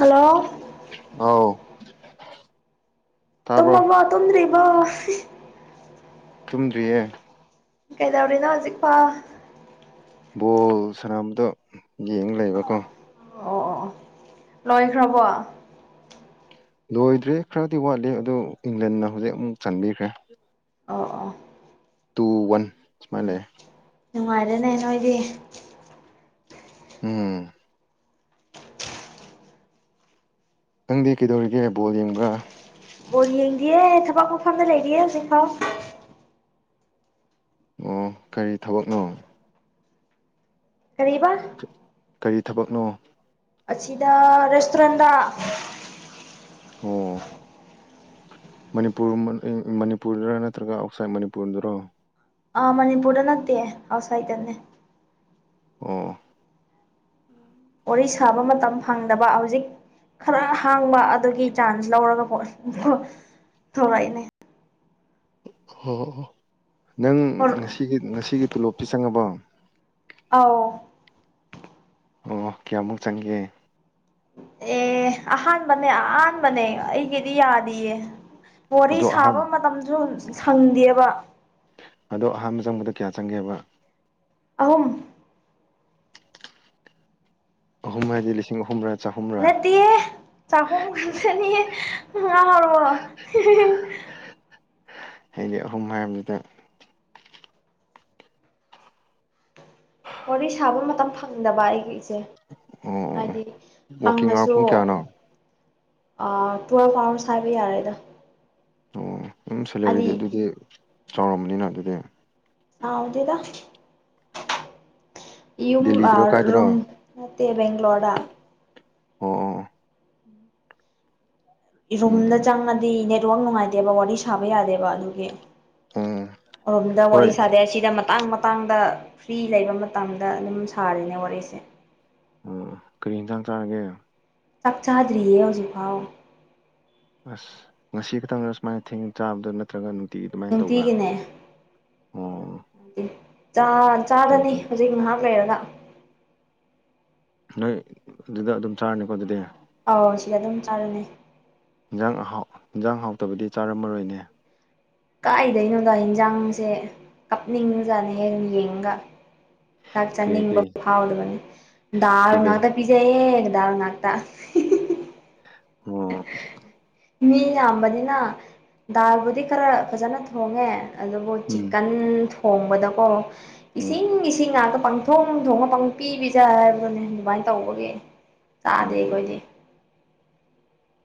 hello ꯑꯥꯎ [inaudible] ꯇꯥꯕ꯭ꯔꯣ ꯇꯝꯕꯕ ꯇꯣꯗ꯭ꯔꯤ ꯋꯥ ꯇꯨꯝꯗ꯭ꯔꯤꯌꯦ ꯀꯩꯗꯧꯔꯤꯅꯣ ꯍꯧꯖꯤꯛ ꯐꯥꯎ ꯕꯣꯜ ꯁꯝꯕꯗꯣ ꯌꯦꯡ ꯂꯩꯕꯀꯣ ꯑꯣ ꯑꯣ ꯂꯣꯏꯈ꯭ꯔꯕꯣ ꯂꯣꯏꯗ꯭ꯔꯦ ꯈꯔꯗꯤ ꯋꯥꯠꯂꯤ ꯑꯗꯨ ꯏꯪꯂꯦꯟꯅ ꯍꯧꯖꯤꯛ ꯑꯃꯨꯛ ꯆꯟꯕꯤꯈ꯭ꯔꯦ ꯑ ꯑ ꯇꯨ ꯋꯥꯟ ꯁꯨꯃꯥꯏꯅ ꯂꯩꯦ ꯅꯨꯡꯉꯥꯏꯔꯅꯦ ꯅꯣꯏꯗꯤ ꯎꯝ ꯅꯪꯗꯤ ꯀꯩꯗꯧꯔꯤꯒꯦ ꯕꯣꯜ ꯌꯦꯡꯕ꯭ꯔꯥ ꯕꯣꯣꯟ ꯌꯦꯡꯗꯤꯌꯦ ꯊꯕꯛ ꯃꯐꯝꯐꯝꯗ ꯂꯩꯔꯤꯌꯦ ꯁꯤꯐꯥꯎ ꯑꯣ ꯀꯔꯤ ꯊꯕꯛꯅꯣ ꯀꯔꯤꯕꯥ ꯀꯔꯤ ꯊꯕꯛꯅꯣ ꯑꯁꯤ ꯁꯤꯗ ꯔꯦꯁꯇꯣꯔꯦꯟ ꯑꯣ ꯅꯤꯄꯨꯔ ꯃꯅꯤꯄꯨꯔꯗꯨꯔ ꯅꯠꯇ꯭ꯔꯒ ꯑꯥꯎꯠꯁꯥꯏꯠ ꯃꯅꯤꯄꯨꯔꯗꯨꯔꯣ ꯑ ꯃꯅꯤꯄꯨꯔꯔꯅꯠꯇꯦꯦ ꯍꯁꯥꯏꯇꯟꯅꯦ ꯑ ꯋꯥꯔꯤ ꯁꯥꯕ ꯃꯇꯝ ꯐꯪꯗꯕ ꯍꯧꯖꯤꯛ ꯈꯔ ꯍꯥꯡꯕ ꯑꯗꯨꯒꯤ ꯆꯥꯟꯁ ꯂꯧꯔꯒ ꯄ ꯇꯧꯔꯛꯏꯅꯦ ꯍꯣꯏ ꯍꯣꯏ ꯍꯣꯏ ꯅꯪ ꯉꯁꯤꯒꯤ ꯉꯁꯤꯒꯤ ꯇꯣꯂꯣꯞꯇ ꯆꯪꯉꯕꯣ ꯑꯥꯎ ꯑꯣ ꯀꯌꯥꯃꯨꯛ ꯆꯪꯒꯦ ꯑꯦ ꯑꯍꯥꯟꯕꯅꯦ ꯑꯍꯥꯟꯕꯅꯦ ꯑꯩꯒꯤꯗꯤ ꯌꯥꯔꯤꯌꯦ ꯋꯥꯔꯤ ꯑꯗꯣ ꯑꯍꯥꯟ ꯁꯥꯕ ꯃꯇꯝꯁꯨ ꯁꯪꯗꯦꯕ ꯑꯗꯣ ꯑꯍꯥꯟꯕ ꯆꯪꯕꯗ ꯀꯌꯥ ꯆꯪꯒꯦꯕ ꯑꯍꯨꯝ ꯑꯍꯨꯝ ꯍꯥꯏꯗꯤ ꯂꯤꯁꯤꯡ ꯑꯍꯨꯝ ꯅꯠꯇꯌꯦ ꯆꯈꯨꯝ ꯈꯁꯅꯤꯔ ꯋꯥ ꯑꯗꯤ ꯑꯍꯨꯝ ꯃꯌꯥꯝꯗꯨꯗ ꯋꯥꯔꯤ ꯁꯥꯕ ꯃꯇꯝ ꯐꯪꯗꯕ ꯑꯩꯒꯤꯦ ꯑꯣ ꯍꯥꯏꯗꯤ ꯋꯥꯛꯀꯤꯡ ꯑꯋꯥꯔ ꯐꯪꯉꯁꯨ ꯄꯨꯡ ꯀꯌꯥꯅꯣ ꯇꯨꯋꯦꯜꯐ ꯑꯥꯋꯥꯔꯁ ꯍꯥꯏꯕ ꯌꯥꯔꯦꯗ ꯑꯣ ꯑꯗꯨꯝ ꯁꯦꯂꯔꯤꯗꯤ ꯍꯥꯏꯗꯤ ꯑꯗꯨꯗꯤ ꯆꯥꯎꯔꯝꯕꯅꯤꯅ ꯑꯗꯨꯗꯤ ꯁꯥꯎꯗꯗ ꯌꯨꯝ ꯑ ꯗꯦꯜꯂꯤꯗꯔꯣ ꯀꯥꯏꯗꯅꯣ ꯔꯨꯝꯝ ꯑꯣ ꯅꯠꯇꯦ ꯕꯒ꯭ꯂꯣꯣꯔ ꯑꯣ ꯔꯨꯝꯗ ꯎꯝ ꯆꯪꯉꯗꯤ ꯅꯦꯠꯋꯛ ꯅꯨꯡꯉꯥꯏꯗꯦꯕ ꯋꯥꯔꯤ ꯁꯥꯕ ꯌꯥꯗꯦꯕ ꯑꯗꯨꯒꯤ ꯎꯝ ꯎꯝ ꯔꯣꯝꯗ ꯋꯥꯔꯤ ꯍꯣꯏ ꯋꯥꯔꯤ ꯁꯥꯗꯦꯁꯤꯗ ꯃ ꯃꯇꯥꯡ ꯃꯇꯥꯡꯗ ꯐ꯭ꯔꯤ ꯂꯩꯕ ꯃꯇꯝꯗ ꯑꯗꯨꯝ ꯁꯥꯔꯤꯅꯦ ꯋꯥꯔꯤꯁꯦ ꯑꯣ ꯀꯔꯤ ꯌꯦꯟꯁꯥꯡ ꯆꯥꯔꯒꯦ ꯆꯥꯛ ꯆꯥꯗ꯭ꯔꯤꯌꯦ ꯍꯧꯖꯤꯛꯐꯥꯎ ꯑꯁ ꯉꯁꯤ ꯈꯛꯇꯪꯗꯅ ꯁꯨꯃꯥꯏꯅ ꯊꯦꯡꯅ ꯆꯥꯕꯗꯣ ꯅꯠꯇ꯭ꯔꯒ ꯑꯗꯨꯃꯥꯏꯅ ꯇꯧꯕ꯭ꯔꯥ ꯅꯨꯡꯇꯤꯒꯤꯅꯦ ꯑꯣ ꯐꯩ ꯆꯥꯗꯅꯤ ꯐꯩ ꯍꯧꯖꯤꯛ ꯉꯍꯥꯛ ꯂꯩꯔꯒ ꯅꯣꯏ ꯑꯗꯨꯗ ꯑꯗꯨꯝ ꯆꯥꯔꯅꯤꯀꯣ ꯑꯗꯨꯗꯤ ꯑꯧ ꯁꯤꯗ ꯑꯗꯨꯝ ꯆꯥꯔꯅꯤ ꯏꯟꯖꯥꯡꯥꯎ ꯏꯟꯖꯥꯡ ꯍꯥꯎꯇꯕꯗꯤ ꯆꯥꯔꯝꯃꯔꯣꯏꯅꯦ ꯀꯥꯏꯗꯣꯏꯩꯅꯣꯗ ꯌꯦꯟꯖꯥꯡꯁꯦ ꯀꯞꯕꯖꯅꯤꯍꯦ ꯌꯦꯡꯉꯒ ꯆꯥꯛ ꯀꯔꯤ ꯆꯥꯟꯅꯤꯕ ꯀꯔꯤ ꯐꯥꯎꯗꯅ ꯗꯥꯜ ꯀꯩꯀꯩ ꯉꯥꯛꯗ ꯄꯤꯖꯩꯌꯦ ꯗꯥꯜꯉꯥꯛꯇꯥ ꯑꯣ ꯃꯤ ꯌꯥꯝꯕꯅꯤꯅ ꯗꯥꯜꯕꯨꯗꯤ ꯈꯔ ꯐꯖꯅ ꯊꯣꯡꯉꯦ ꯑꯗꯨꯕꯨ ꯎꯝ ꯆꯤꯀꯟ ꯊꯣꯡꯕꯗꯀꯣ ꯎꯝ ꯏꯁꯤꯡ ꯏꯁꯤꯡ ꯉꯥꯛꯇ ꯄꯪꯊꯣꯡ ꯊꯣꯡꯉ ꯄꯪ ꯄꯤꯕꯤꯖ ꯍꯥꯏꯕꯗꯨꯅꯦ ꯑꯗꯨꯃꯥꯏꯅ ꯇꯧꯕꯒꯤ ꯎꯝ ꯎꯝ ꯆꯥꯗꯦꯈꯣꯏꯗꯤ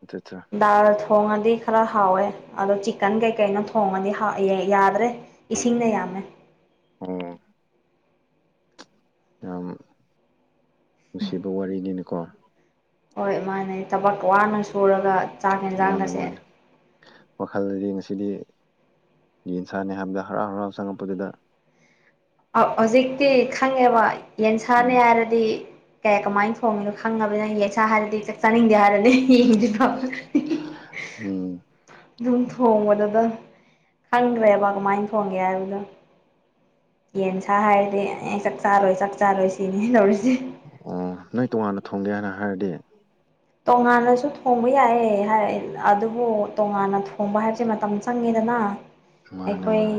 ꯑꯠꯆꯥ ꯑꯠꯆꯥ ꯗꯥꯜ ꯊꯣꯡꯉꯗꯤ ꯈꯔ ꯍꯥꯎꯋꯦ ꯑꯗꯣ ꯆꯤꯛꯀꯟ ꯀꯩꯀꯩꯅꯣ ꯊꯣꯡꯉꯗꯤ ꯌꯥꯗ꯭ꯔꯦ ꯏꯁꯤꯡꯅ ꯌꯥꯝ ꯚꯦ [unintelligible] ꯌꯥꯝ ꯅꯨꯡꯁꯤꯕ ꯋꯥꯔꯤꯅꯤꯅꯦꯀꯣ ꯍꯣꯏ ꯏꯃꯥꯏꯅ ꯊꯕꯛꯀ ꯋꯥꯅ ꯁꯨꯔꯒ ꯆꯥꯛ ꯃꯥꯅꯦ ꯌꯦꯟꯁꯥꯡꯒꯁꯦ ꯃꯥꯅꯦ ꯋꯥꯈꯜꯗꯗꯤ ꯉꯁꯤꯗꯤ ꯌꯦꯟ ꯁꯥꯅꯤ ꯍꯥꯏꯕꯗ ꯍꯔꯥꯎ ꯍꯔꯥꯎ ꯆꯪꯉꯛꯄꯗꯨꯗ ꯍꯧꯖꯤꯛꯇꯤ ꯈꯪꯉꯦꯕ ꯌꯦꯟꯁꯥꯡꯅꯤ ꯎꯝ ꯍꯥꯏꯔꯗꯤ ꯀꯌꯥ ꯀꯃꯥꯏꯅ ꯊꯣꯡꯉꯤꯅꯣ ꯈꯪꯉꯕꯅ ꯌꯦꯁꯥ ꯍꯥꯏꯔꯗꯤ ꯆꯥꯛ ꯆꯥꯅꯤꯡꯗꯦ ꯍꯥꯏꯔꯗꯤ ꯎꯝ [unintelligible] ꯑꯗꯨꯝ ꯊꯣꯡꯕꯗꯨꯗ ꯈꯪꯈ꯭ꯔꯦꯕ ꯀꯃꯥꯏꯅ ꯊꯣꯡꯒꯦ ꯍꯥꯏꯕꯗꯣ ꯌꯦꯟ ꯁꯥ ꯍꯥꯏꯔꯗꯤ ꯑꯩ ꯆꯥꯛ ꯆꯥꯔꯣꯏ ꯆꯥꯛ ꯆꯥꯔꯣꯏ ꯁꯤꯅꯦ ꯇꯧꯔꯤꯁꯦ ꯑꯣ ꯅꯣꯏ ꯇꯣꯉꯥꯟꯅ ꯊꯣꯡꯒꯦ ꯍꯥꯏꯅ ꯍꯥꯏꯔꯗꯤ ꯇꯣꯉꯥꯟꯅꯁꯨ ꯊꯣꯡꯕ ꯌꯥꯏꯑꯦ ꯑꯗꯨꯕꯨ ꯇꯣꯉꯥꯟꯅ ꯊꯣꯡꯕ ꯍꯥꯏꯕꯁꯦ ꯃꯇꯝ ꯆꯪꯉꯤꯗ ꯅ ꯃꯥꯅꯦ ꯑꯩꯈꯣꯏ ꯃꯥꯅꯦ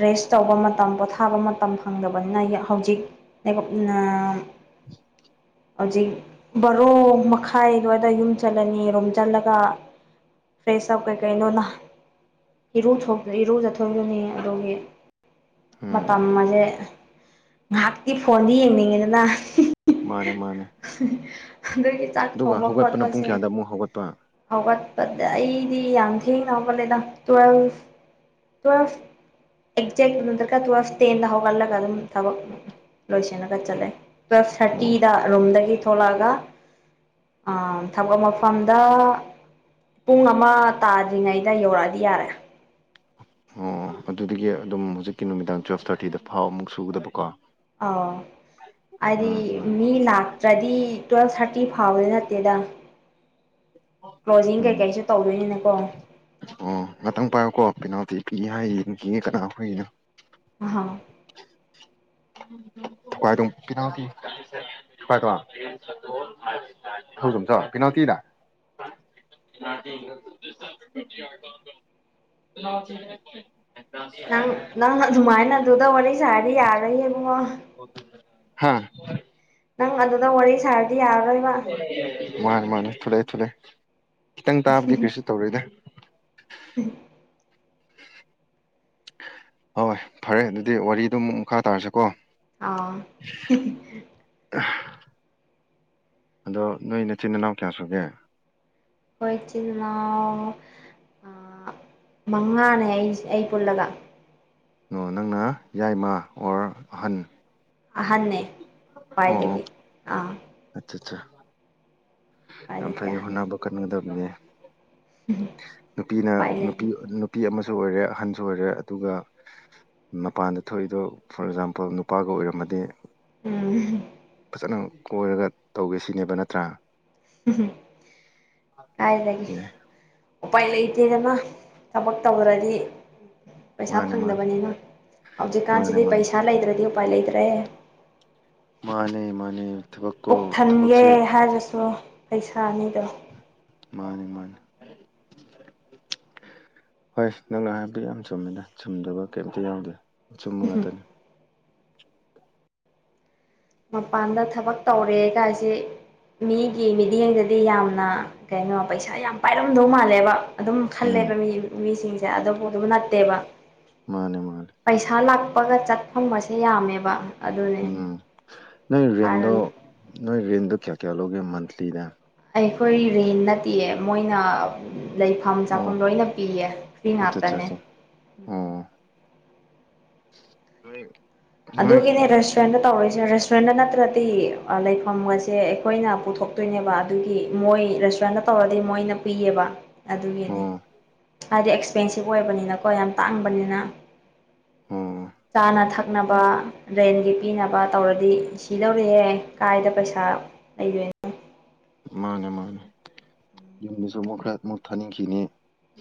ꯔꯦꯁ ꯇꯧꯕ ꯃꯇꯝ ꯄꯣꯊꯥꯕ ꯃꯇꯝ ꯐꯪꯗꯕꯅꯤꯅ ꯍꯧꯖꯤꯛ [unintelligible] [inaudible] ꯍꯧꯖꯤꯛ ꯕꯥꯔꯣ ꯃꯈꯥꯏ ꯈꯥꯏꯗꫭ ꯑꯗꯥꯏ ꯌꯨꯝ ꯆꯠꯂꯅꯤ ꯔꯨꯝ ꯆꯠꯂꯒ ꯐ꯭ꯔꯦꯁ ꯑꯞ ꯀꯩꯀꯩꯅꯣ ꯅ ꯏꯔꯨ ꯏꯔꯨ ꯆꯊꯣꯛꯒꯅꯤ ꯑꯗꯨꯒꯤ ꯎꯝ ꯎꯝ ꯃꯇꯝ ꯑꯁꯦ ꯉꯥꯏꯍꯥꯛꯇꯤ ꯐꯣꯟꯗꯤ ꯌꯦꯡꯅꯤꯡꯉꯤꯗꯅ ꯃꯥꯅꯦ ꯃꯥꯅꯦ ꯑꯗꯨꯒ ꯍꯣꯝꯋꯥꯛ ꯍꯧꯒꯠꯄꯅ ꯄꯨꯡ ꯈꯠꯄꯁꯤꯅꯦ ꯀꯌꯥꯗ ꯑꯃꯨꯛ ꯍꯧꯒꯠꯄ ꯍꯧꯒꯠ ꯑꯩꯗꯤ ꯌꯥꯝ ꯊꯦꯡꯅ ꯍꯧꯒꯠꯂꯦꯗ ꯇꯨꯋꯦꯜꯐ ꯇꯨꯋꯦꯜꯐ ꯑꯦꯛꯖꯦꯛ ꯅꯠꯇ꯭ꯔꯒ ꯇꯨꯋꯦꯜꯚ ꯇꯦꯟꯗ ꯍꯧꯒꯠꯂꯒ ꯑꯗꯨꯝ ꯊꯕꯛ ꯂꯣꯏꯁꯂꯒ ꯆꯠꯂꯦ ꯇꯨꯋꯦꯜꯐ ꯑꯣ ꯊꯥꫪꯇꯤꯗ ꯔꯨꯝꯗꯒꯤ ꯊꯣꯛꯂꯛꯑꯒ ꯑꯥ ꯊꯕꯛ ꯃꯐꯝꯗ ꯄꯨꯡ ꯑꯃ ꯇꯥꯗ꯭ꯔꯤꯉꯩꯗ ꯌꯧꯔꯛꯑꯗꯤ ꯌꯥꯔꯦ ꯑꯣ ꯑꯣ ꯑꯗꯨꯗꯒꯤ ꯑꯗꯨꯝ ꯍꯧꯖꯤꯛꯀꯤ ꯅꯨꯃꯤꯗꯥꯡ ꯇꯨꯋꯦꯜꯚ ꯊꯥꫪꯇꯤꯗ ꯐꯥꯎ ꯑꯃꯨꯛ ꯁꯨꯒꯗꯕꯀꯣ ꯑꯥꯎ ꯍꯥꯏꯗꯤ ꯎꯝ ꯎꯝ ꯃꯤ ꯂꯥꯛꯇ꯭ꯔꯗꯤ ꯇꯨꯋꯦꯜꯚ ꯊꯥꫪꯇꯤ ꯇꯤ ꯐꯥꯎꯕꯗꯤ ꯅꯠꯇꯦꯗ ꯀ꯭ꯂꯣꯖꯤꯡ ꯎꯝ ꯀꯩꯀꯩꯁꯨ ꯇꯧꯗꯣꯏꯅꯤꯅꯀꯣ ꯑꯣ ꯉꯥꯛꯇꯪ ꯑꯗꯨꯒꯤ ꯄꯥꯏꯌꯨꯀꯣ [unintelligible] ꯀꯅꯥ ꯈꯣꯏꯒꯤꯅꯣ [unintelligible] [unintelligible] [unintelligible] ꯄꯦꯅꯥꯜꯇꯤꯔ [inaudible] [unintelligible] ꯅꯪ ꯅꯪ ꯑꯗꯨꯃꯥꯏꯅ ꯑꯗꯨꯗ ꯋꯥꯔꯤ ꯁꯥꯔꯗꯤ ꯌꯥꯔꯔꫭꯏꯌꯦ ꯏꯕꯨꯡꯉꯣ ꯍꯥꯥ ꯅꯪ ꯑꯗꯨꯗ ꯋꯥꯔꯤꯁ ꯁꯥꯥꯔꯗꯤ ꯌꯥꯔꯔꫭꯏ ꯃꯥꯅꯤ ꯃꯥꯅꯤ ꯊꯂꯛꯑꯦ ꯊ ꯊꯣꯛꯂꯛꯑꯦ ꯈꯤꯇꯪ ꯇꯥꯕꯗꯤ ꯀꯔꯤꯁꯨ ꯇꯧꯔꯣꯏꯗ [unintelligible] ꯍꯣꯏ ꯐꯔꯦ ꯑꯗꯨꯗꯤ ꯋꯥꯔꯤꯗꯨꯣ ꯑꯃꯨꯛ ꯃꯈꯥ ꯇꯥꯔꯁꯤꯀꯣ ꯑꯥ ꯑ ꯑꯗꯣ ꯅꯣꯏ ꯅꯆꯤꯟ ꯏꯅꯥꯎ ꯀꯌꯥ ꯁꯨꯒꯦ ꯍꯣꯏ ꯆꯅ ꯑ ꯃꯉꯥꯅꯦ ꯑꯩ ꯑꯩ ꯄꯨꯜꯂꯒ ꯑꯣ ꯅꯪꯅ ꯌꯥꯏꯃ ꯑꯣꯔ ꯑꯍꯟ ꯑꯍꯟꯅ ꯈ꯭ꯋꯥꯏꯗꯒꯤ ꯑꯥ ꯑ ꯈ꯭ꯋꯥꯏꯗꯒꯤ ꯑ ꯑꯍꯟꯅꯦ ꯍꯅꯥꯕ ꯀꯥꯟꯒꯗꯕꯅꯦ ꯅꯨꯄꯤꯅ ꯎꯄꯥꯏ ꯂꯩ ꯅꯨꯄꯤ ꯅꯨꯄꯤ ꯑꯃꯁꯨ ꯑꯣꯏꯔꯦ ꯑꯍꯟꯁꯨ ꯑꯣꯏꯔꯦ ꯑꯗꯨꯒ ꯃꯄꯥꯟꯗ ꯊꯣꯛꯏꯗꯣ ꯐꯣꯔ ꯑꯦꯛꯖꯥꯝꯄꯜ ꯅꯨꯄꯥꯒ ꯑꯣꯏꯔꯝꯃꯗꯤ ꯎꯝ ꯐꯖꯅ ꯀꯣꯏꯔꯒ ꯇꯧꯒꯦ ꯁꯤꯅꯦꯕ ꯅꯠꯇ꯭ꯔꯥ ꯀꯖꯗꯒꯤꯦ ꯑꯦ ꯎꯄꯥꯏ ꯂꯩꯇꯦꯗꯅ ꯊꯕꯛ ꯇꯧ꯭ꯔꯗꯤ ꯄꯩꯁꯥ ꯃꯥꯅꯦ ꯃꯥꯅꯦ ꯐꯪꯗꯕꯅꯤꯅ ꯃꯥꯅꯦ ꯍꯧꯖꯤꯛꯀꯥꯟꯁꯤꯗꯤ ꯃꯥꯅꯦ ꯄꯩꯁꯥ ꯂꯩꯇ꯭ꯔꯗꯤ ꯄꯂꯤꯗ꯭ꯔꯦ ꯃꯥꯅꯦ ꯃꯥꯅꯦ ꯊꯕꯛꯀꯣ ꯄꯨꯛꯊꯟꯒꯦ ꯊꯕꯛꯁꯦ ꯍꯥꯏꯔꯁꯨ ꯄꯩꯁꯥꯅꯤꯗꯣ ꯃꯥꯅꯤ ꯃꯥꯅꯦ ꯍꯣꯏ ꯅꯪꯅ ꯍꯥꯏꯕꯤꯌ ꯌꯥꯝ ꯆꯨꯝꯃꯤꯗ ꯆꯨꯝꯗꯕ ꯀꯩꯝꯇ ꯌꯥꯎꯗꯦ ꯁꯨꯝꯕ ꯉꯥꯛꯇꯅꯦ ꯃꯄꯥꯟꯗ ꯊꯕꯛ ꯇꯧꯔꯦ ꯀꯥꯏꯁꯤꯦ ꯃꯤꯒꯤ ꯃꯤꯠꯌꯦꯡꯗꯗꯤ ꯌꯥꯝꯅ ꯀꯩꯅꯣ ꯄꯩꯁꯥ ꯌꯥꯝ ꯄꯥꯏꯔꯝꯗꯧ ꯃꯥꯜꯂꯦꯕ ꯑꯗꯨꯝ ꯎꯝ ꯈꯜꯂꯦꯕ ꯃꯤ ꯃꯤꯁꯤꯡꯁꯦ ꯑꯗꯨꯕꯨ ꯑꯗꯨꯝ ꯅꯠꯇꯦꯕ ꯃꯥꯅꯦ ꯃꯥꯅꯦ ꯀꯄꯒ ꯆꯠꯐꯝꯁꯦ ꯌꯥꯝꯃꯦꯕ ꯑꯗꯨꯅꯦ ꯎꯝ ꯅꯣꯏ ꯔꯔꯤꯟꯗ ꯍꯥꯏꯔꯅꯤ ꯅꯣꯏ ꯔꯔꯤꯦꯟꯗ ꯀꯌꯥ ꯀꯌꯥ ꯂꯧꯣꯒꯦ ꯃꯟꯊꯂꯤꯅꯦ ꯑꯩꯈꯣꯏ ꯔꯦꯟ ꯅꯠꯇꯦꯌꯦ ꯃꯣꯏꯅ ꯂꯩꯐꯝ ꯆꯥꯐꯝ ꯑꯣ ꯂꯣꯏꯅ ꯄꯤꯌꯦ ꯐ꯭ꯔꯤ ꯑꯠꯆꯥ ꯉꯥꯛꯇꯅꯦ ꯎꯝ ꯍꯣꯏ ꯑꯗꯨꯒꯤꯅꯦ ꯔꯦꯁꯇꯨꯔꯦꯟꯗ ꯇꯧꯔꯣꯏꯁꯤꯅꯦ ꯔꯦꯁꯇꯨꯔꯦꯟꯗ ꯅꯠꯇ꯭ꯔꯗꯤ ꯂꯩꯐꯝꯒꯁꯦ ꯑꯩꯈꯣꯏꯅ ꯄꯨꯊꯣꯛꯇꯣꯏꯅꯦꯕ ꯑꯗꯨꯒꯤ ꯃꯣꯏ ꯔꯦꯁꯇꯨꯔꯦꯟꯗ ꯇꯧꯔꯗꯤ ꯃꯣꯏꯅ ꯄꯤꯏꯑꯕ ꯑꯗꯨꯒꯤꯅꯦ ꯑꯣ ꯍꯥꯏꯗꯤ ꯑꯦꯛꯁꯄꯦꯟꯁꯤꯞ ꯑꯣꯏꯕꯅꯤꯅꯀꯣ ꯌꯥꯝ ꯇꯥꯡꯕꯅꯤꯅ ꯑꯣ ꯆꯥꯅ ꯊꯛꯅꯕ ꯔꯦꯟꯒꯤ ꯄꯤꯅꯕ ꯇꯧꯔꯗꯤ ꯁꯤ ꯂꯧꯔꯍꯦ ꯀꯥꯏꯗ ꯄꯩꯁꯥ ꯂꯩꯗꯣꯏꯅꯣ ꯃꯥꯅꯦ ꯃꯥꯅꯦ ꯌꯨꯝꯗꯁꯨ ꯑꯃꯨꯛ ꯈꯔ ꯃꯨꯠ ꯊꯥꯅꯤꯡꯈꯤꯅꯤ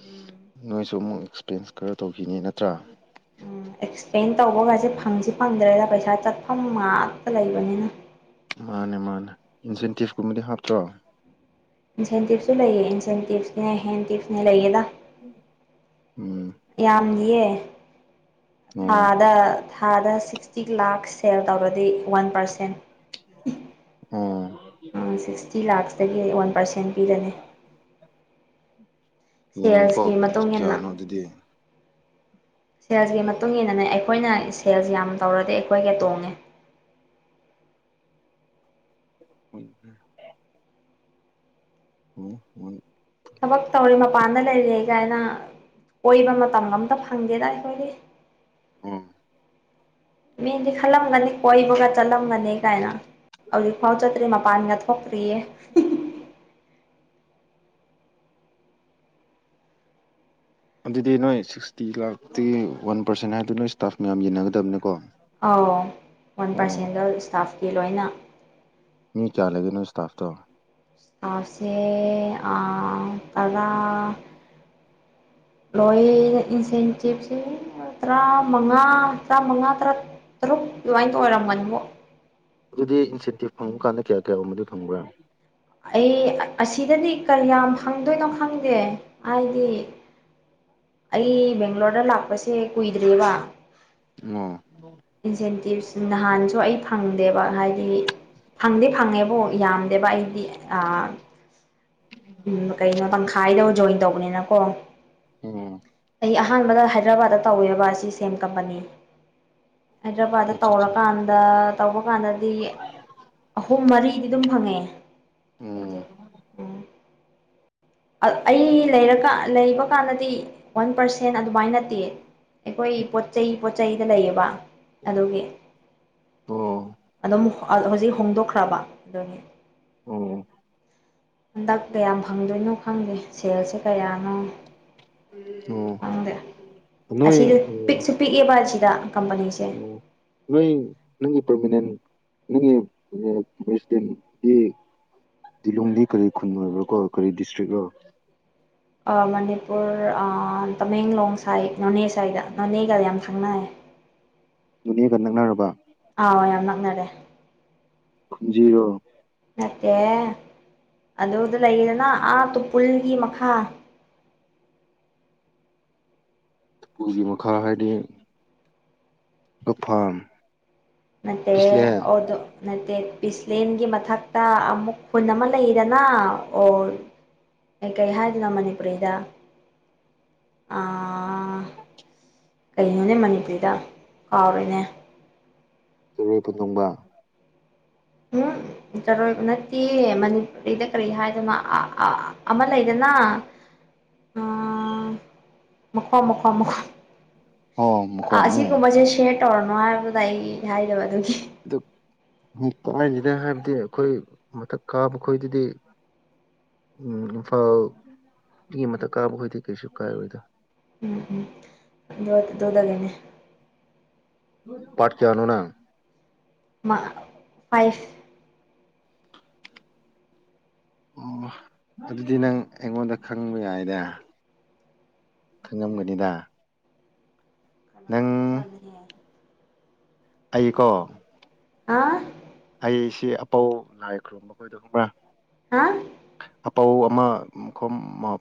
ꯎꯝ ꯅꯣꯏꯁꯨ ꯑꯃꯨꯛ ꯑꯦꯛꯁꯄꯔꯦꯟꯁ ꯈꯔ ꯇꯧꯈꯤꯅꯤ ꯅꯠꯇ꯭ꯔꯥ ꯎꯝ ꯑꯦꯛꯁꯄ꯭ꯂꯦꯟ ꯇꯧꯕꯒꯁꯦ ꯐꯪꯁꯤ ꯐꯪꯗ꯭ꯔꯦꯗ ꯄꯩꯁꯥ ꯆꯠꯐꯝ ꯉꯥꯛꯇ ꯂꯩꯕꯅꯤꯅ ꯃꯥꯅꯦ ꯃꯥꯅꯦ ꯏꯟꯁꯦꯟꯇꯤꯞꯀꯨꯝꯕꯗꯤ ꯍꯥꯞꯇ꯭ꯔꯣ ꯏꯟꯁꯦꯟꯇꯤꯞꯁꯨ ꯂꯩꯌꯦ ꯏꯟꯁꯦꯟꯇꯤꯞꯁꯅꯦ ꯍꯦꯟꯇꯤꯞꯁꯅꯦ ꯂꯩꯌꯦꯗ ꯎꯝ ꯌꯥꯝꯒꯤꯌꯦ ꯑꯣ ꯊꯥꯗ ꯊꯥꯗ ꯁꯤ ꯁꯤꯇꯤ ꯂꯥꯛ ꯁꯦꯜ ꯇꯧꯔꯗꯤ ꯋꯥꯟ ꯄꯥꯔꯁꯦꯟ ꯎꯝ ꯁꯤꯛꯁꯇꯤ ꯂꯥꯛꯁꯇꯒꯤ ꯑꯩ ꯋꯥꯟ ꯄꯥꯔꯁꯦꯟ ꯄꯤꯔꯅꯤ ꯌꯦꯡꯉꯤꯀꯣ ꯁꯦꯜꯁꯀꯤ ꯃꯇꯨꯡ ꯏꯟꯅ ꯀꯌꯥꯅꯣ ꯑꯗꯨꯗꯤ ꯁꯦꯜꯁꯀꯤ ꯃꯇꯨꯡ ꯏꯟꯅꯅꯦ ꯑꯩꯈꯣꯏꯅ ꯁꯦꯜꯁ ꯌꯥꯝ ꯇꯧꯔꯗꯤ ꯑꯩꯈꯣꯏꯒ ꯇꯣꯡꯉꯦ [unintelligible] ꯎ ꯑꯣ ꯍ ꯊꯕꯛ ꯇꯧꯔꯤꯦ ꯃꯄꯥꯟꯗ ꯂꯩꯔꯤꯦ ꯑꯩ ꯀꯥꯏꯅ ꯑꯣꯏꯕ ꯃꯇꯝ ꯑꯝꯇ ꯐꯪꯗꯦꯗ ꯑꯩꯈꯣꯏꯗꯤ ꯎꯝ ꯃꯤꯦꯟꯗꯤꯦ ꯈꯜꯂꯝꯒꯅꯤ ꯀꯣꯏꯕꯒ ꯆꯠꯂꯝꯒꯅꯤ ꯀꯥꯏꯅ ꯍꯧꯖꯤꯛ ꯐꯥꯎ ꯆꯠꯇ꯭ꯔꯤ ꯄꯅꯤꯌꯥ ꯊ ꯊꯣꯛꯄꯔꯤꯌꯦ ꯑꯗꯨꯗꯤ ꯅꯣꯏ ꯁꯤꯛꯁꯇꯤ ꯂꯥꯛꯇꯤ ꯋꯥꯟ ꯄꯥꯔꯁꯦꯟ ꯍꯥꯏꯗꯨ ꯅꯣꯏ ꯏꯁꯇꯥꯐ ꯃꯌꯥꯝ ꯌꯦꯟꯅꯒꯗꯕꯅꯤꯀꯣ ꯑꯧ ꯋꯥꯟ ꯑꯣ ꯄꯥꯔꯁꯦꯟꯗ ꯏꯁꯇꯥꯐꯀꯤ ꯂꯣꯏꯅ ꯃꯤ ꯀꯌꯥ ꯂꯩꯒꯦꯅ ꯏꯁꯇꯥꯐꯇ ꯇꯥꯁꯦ ꯇꯔꯥ ꯂꯣꯏ ꯏꯟꯁꯦꯟꯇꯤꯞꯁ ꯇꯔꯥꯃꯉꯥ ꯇꯔꯥꯃꯉꯥ ꯇꯔꯥ ꯇꯔꯨꯛ ꯑꯗꯨꯃꯥꯏꯅ ꯑꯣꯏꯔꯝꯝꯕꯅꯤꯕꯣ ꯑꯗꯨꯗꯤ ꯏꯟꯁꯦꯟꯇꯤꯞ ꯐꯪꯕ ꯀꯥꯟꯗ ꯀꯌꯥ ꯀꯌꯥꯒꯨꯝꯕꯗꯨ ꯐꯪꯕ꯭ꯔꯥ ꯑꯩ ꯑꯁꯤꯗꯗꯤ ꯀꯔꯤꯌꯥꯝ ꯐꯪꯗꯣꯏꯅꯣ ꯈꯪꯗꯦ ꯍꯥꯏꯗꯤ ꯑꯩ ꯕꯦꯡꯒ꯭ꯂꯣꯔꯗ ꯂꯥꯛꯄꯁꯦ ꯀꯨꯏꯗ꯭ꯔꯤꯕ ꯑꯣ ꯏꯟꯁꯦꯟꯇꯤꯞꯁ ꯅꯍꯥꯟꯁꯨ ꯑꯩ ꯐ ꯐꯪꯗꯦꯕ ꯍꯥꯏꯗꯤ ꯐꯪꯗꯤ ꯐꯪꯉꯦꯕꯨ ꯌꯥꯝꯗꯦꯕ ꯑꯩꯗꯤ ꯎꯝ ꯀꯩꯅꯣ ꯇꯪꯈꯥꯏꯗꯧ ꯖꯣꯏꯟ ꯇꯧꯕꯅꯤꯅꯀꯣ ꯑꯣ ꯑꯩ ꯑꯍꯥꯟꯕꯗ ꯍꯥꯏꯗ꯭ꯔꯕꯥꯠꯇ ꯇꯧꯋꯔꯕ ꯑꯁꯤ ꯁꯦꯝ ꯀꯝꯄꯅꯤ ꯍꯥꯏꯗ꯭ꯔꯕꯥꯗꯠꯇ ꯑꯠꯆꯥ ꯑꯠꯆꯥ ꯇꯧꯔꯀꯥꯟꯗ ꯇꯧꯕ ꯀꯥꯟꯗꯗꯤ ꯑꯍꯨꯝ ꯃꯔꯤꯗꯤ ꯑꯗꯨꯝ ꯐꯪꯉꯦ ꯎꯝ ꯪꯖꯦꯜ ꯑꯝ ꯑꯩ ꯂꯩꯔꯀ ꯂꯩꯕ ꯀꯥꯟꯗꯗꯤ ꯋꯥꯟ ꯄꯥꯔꯁꯦꯟ ꯑꯗꯨꯃꯥꯏ ꯅꯠꯇꯦ ꯑꯩꯈꯣꯏ ꯄꯣꯠ ꯆꯩꯩ ꯄꯣꯠ ꯆꯩꯩꯗ ꯂꯩꯌꯦꯕ ꯑꯗꯨꯒꯤ ꯑꯣ ꯑꯗꯨꯝ ꯍꯧꯖꯤꯛ ꯍꯣꯡꯗꯣꯛꯈ꯭ꯔꯕ ꯑꯗꯨꯅꯤ ꯑꯣ ꯍꯟꯗꯛ ꯀꯌꯥꯝ ꯐꯪꯗꯣꯏꯅꯣ ꯈꯪꯗꯦ ꯁꯦꯜꯁꯦ ꯀꯌꯥꯅꯣ ꯑꯣ ꯈꯪꯗꯦ ꯅꯣꯏ ꯑꯁꯤꯗ ꯑꯣ ꯄꯤꯛꯁꯨ ꯄꯤꯛꯑꯦꯕ ꯑꯁꯤꯗ ꯀꯝꯄꯅꯤꯁꯦ ꯑꯣ ꯅꯣꯏ ꯅꯪ ꯄꯔꯃꯤ ꯅꯅꯤ ꯃꯤꯁꯤꯟ ꯀꯔꯤ ꯀꯔꯤ ꯈꯨꯟ ꯑꯣꯏꯕꯣ ꯀꯣ ꯀꯔꯤ ꯗꯤꯁꯇ꯭ꯔꯤꯛꯣ ꯃꯅꯤꯄꯨꯔ ꯇꯃꯦꯡꯂꯣꯡ ꯁꯥꯏ ꯅꯣꯅꯦ ꯁꯥꯏꯗ ꯅꯣꯅꯦꯒ ꯌꯥꯝ ꯁꯪꯅꯌꯦ [inaudible] ꯅꯦꯒ ꯅꯛꯅꯔꯕ ꯋꯥ ꯔꯣ ꯆꯠꯇꯦ ꯑꯗꯨꯗ ꯂꯩꯌꯦꯗꯅ ꯑꯥ ꯇꯨꯄꯨꯜꯒꯤ ꯃꯈꯥ ꯄꯨꯒꯤ ꯃꯈꯥ ꯍꯥꯏꯗꯤ ꯀꯐꯥꯝ ꯃꯦ ꯑꯣꯗ ꯅꯠꯇꯦ ꯄꯤꯁꯂꯦꯟꯒꯤ ꯃꯊꯛꯇ ꯑꯃꯨꯛ ꯈꯨꯟ ꯑꯃ ꯂꯩꯗꯅ ꯑꯣꯔ ꯑꯦ ꯀꯩ ꯍꯥꯏꯗꯣꯏꯅꯣ ꯃꯅꯤꯄꯨꯔꯤꯔꯤꯗ ꯑꯥ ꯀꯩꯣꯅꯦ ꯃꯅꯤꯄ꯭ꯔꯤꯇꯥ ꯑꯥꯔ ꯏꯅꯦ ꯆꯔꯣꯏꯄꯗꯨꯡꯕ ꯍꯥ ꯆꯔꯣꯏꯕ ꯅꯠꯇꯦ ꯃꯅꯤꯄꯨꯔꯤꯗ ꯀꯔꯤ ꯍꯥꯏꯗꯅ ꯑꯃ ꯂꯩꯗꯅ ꯑꯥ ꯃꯀꯣ ꯃꯀꯣ ꯑꯣ ꯃꯈꯣꯝꯅꯤ ꯑꯁꯤꯒꯨꯝꯕꯁꯦ ꯁꯦꯌꯔ ꯇꯧꯔꯅꯣ ꯍꯥꯏꯕꯗ ꯑꯩ ꯍꯥꯏꯗꯕꯗꯨꯒꯤ ꯑꯗꯨ ꯎ ꯇꯥꯏꯥꯏꯁꯤꯅ ꯍꯥꯏꯕꯗꯤ ꯑꯩꯈꯣꯏ ꯃꯊꯛ ꯀꯥꯕ ꯈꯣꯏꯗꯗꯤ ꯎꯝ ꯏꯝꯐꯥꯜ ꯃꯤ ꯃꯊꯛ ꯀꯥꯕ ꯈꯣꯏꯗꯦ ꯀꯩꯁꯨ ꯀꯥꯏꯔꯣꯏꯗ ꯎꯝ ꯎꯝꯣ ꯣꯗꯒꯅꯦꯅꯦ ꯄꯠ ꯆꯅꯨꯅ ꯐꯥꯏꯚ ꯑꯣ ꯑꯗꯨꯗꯤ ꯅꯪ ꯑꯩꯉꯣꯟꯗ ꯈꯪꯕ ꯌꯥꯏꯅꯦ ꯈꯪꯉꯝꯒꯅꯤꯗ ꯀꯅꯥ ꯅꯪ ꯑꯣꯗꯔꯖꯅ ꯍꯦ ꯑꯩꯀꯣ ꯑꯥ ꯑꯩꯁꯤ ꯑꯄꯧ ꯂꯥꯏꯈ꯭ꯔꯣ ꯃꯈꯣꯏꯗ ꯈꯨꯝꯕ꯭ꯔꯥ ꯍꯥ ꯑꯄꯧ ꯑꯃ ꯃꯈꯣ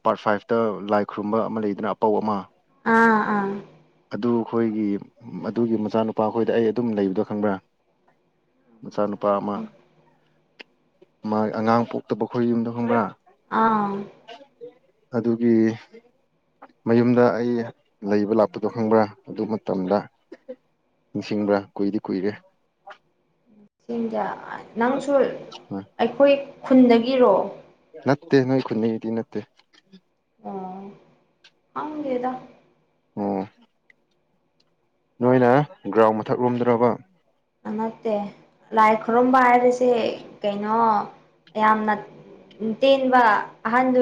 ꯄꯥꯔꯠ ꯐꯥꯏꯚꯇ ꯂꯥꯏ ꯈꯨꯔꯨꯝꯕ ꯑꯃ ꯂꯩꯗꯅ ꯑꯄꯧ ꯑꯃ ꯑꯥ ꯑꯥ ꯑꯗꯨ ꯑꯩꯈꯣꯏꯒꯤ ꯑꯗꯨꯒꯤ ꯃꯆꯥꯅꯨꯄꯥ ꯑꯩꯈꯣꯏꯗ ꯑꯩ ꯑꯗꯨꯝ ꯂꯩꯕꯗꯣ ꯈꯪꯕ꯭ꯔꯥ ꯃꯆꯥꯅꯨꯄꯥ ꯑꯃ ꯃꯆꯥ ꯃꯥ ꯑꯉꯥꯡ ꯄꯣꯛꯇꯕꯈꯣꯏ ꯌꯨꯝꯗ ꯈꯪꯕ꯭ꯔꯥ ꯑꯥ ꯑꯗꯨꯒꯤ ꯃꯌꯨꯝꯗ ꯑꯩ ꯂꯩꯕ ꯂꯥꯛꯄꯗꯣ ꯈꯪꯕ꯭ꯔꯥ ꯑꯗꯨ ꯃꯇꯝꯗ ꯅꯤꯡꯁꯤꯡꯕ꯭ꯔꯥ ꯀꯨꯏꯗꯤ ꯀꯨꯏꯔꯦ ꯁꯤꯗ ꯅꯪꯁꯨ ꯑ ꯑꯩꯈꯣꯏ ꯈꯨꯟꯗꯒꯤꯔꯣ ꯅꯠꯇꯦ ꯅꯣꯏ ꯈꯨꯅꯗꯤ ꯅꯠꯇꯦ ꯑ ꯍꯒꯦꯗ ꯑꯣ ꯅꯣꯏꯅ ꯒ꯭ꯔꯥꯎꯟ ꯃꯊꯛ ꯂꯣꯝꯗ꯭ꯔꯕ ꯅꯠꯇꯦ ꯂꯥꯏ ꯈꯨꯔꯨꯝꯕ ꯍꯥꯏꯔꯤꯁꯦ ꯀꯩꯅꯣ ꯌꯥꯝꯅ ꯇꯟꯋꯥ ꯍ